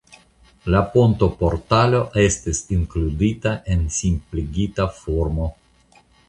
La pontportalo estis inkludita en simpligita formo.